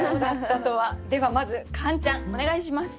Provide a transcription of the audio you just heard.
ではまずカンちゃんお願いします。